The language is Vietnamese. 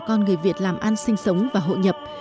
con người việt làm ăn sinh sống và hội nhập